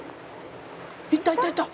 「いったいったいった」